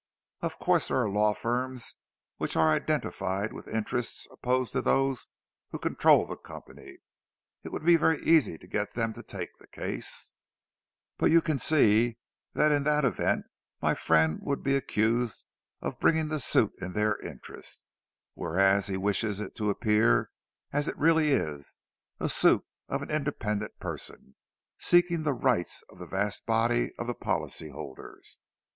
Of course there are law firms which are identified with interests opposed to those who control the company. It would be very easy to get them to take the case, but you can see that in that event my friend would be accused of bringing the suit in their interest; whereas he wishes it to appear, as it really is, a suit of an independent person, seeking the rights of the vast body of the policy holders.